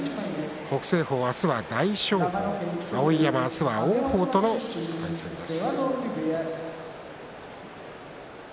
北青鵬は明日は大翔鵬碧山は明日は王鵬との対戦です。